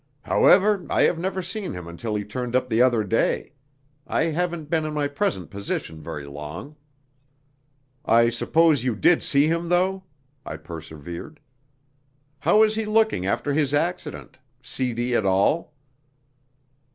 "However, I had never seen him until he turned up the other day. I haven't been in my present position very long." "I suppose you did see him though?" I persevered. "How was he looking after his accident seedy at all?"